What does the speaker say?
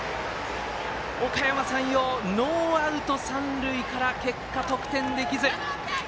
おかやま山陽、ノーアウト三塁から結果、得点できず。